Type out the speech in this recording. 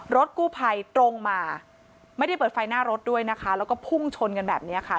รถกู้ภัยตรงมาไม่ได้เปิดไฟหน้ารถด้วยนะคะแล้วก็พุ่งชนกันแบบนี้ค่ะ